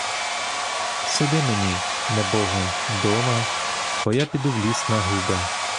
Сиди мені, небого, дома, бо я піду в ліс на губи!